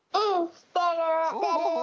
してる。